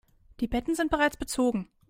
Die Betten sind bereits bezogen.